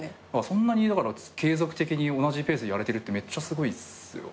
そんなにだから継続的に同じペースでやれてるってめっちゃすごいっすよ。